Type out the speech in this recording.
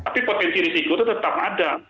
tapi potensi risiko itu tetap ada